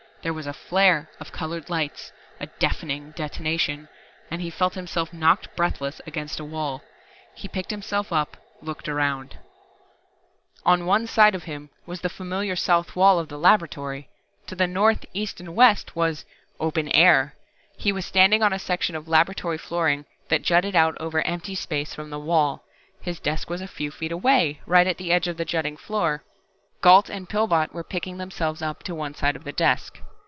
There was a flare of colored lights, a deafening detonation and he felt himself knocked breathless against a wall. He picked himself up, looked around. On one side of him was the familiar south wall of the laboratory. To the north, east and west was open air. He was standing on a section of laboratory flooring that jutted out over empty space from the wall. His desk was a few feet away, right at the edge of the jutting floor. Gault and Pillbot were picking themselves up to one side of the desk.